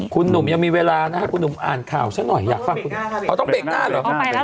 คุณหนุ่มยังมีเวลานะครับคุณหนุ่มอ่านข่าวซะหน่อยอยากฟังคุณอ๋อต้องเบรกหน้าเหรอ